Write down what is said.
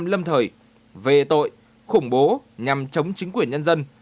tổ chức chính phủ quốc gia việt nam lâm thời về tội khủng bố nhằm chống chính quyền nhân dân